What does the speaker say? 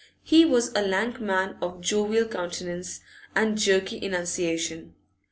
He was a lank man of jovial countenance and jerky enunciation.